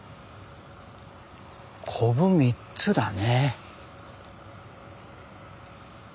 こぶ３つだね。